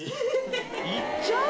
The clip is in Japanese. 行っちゃう？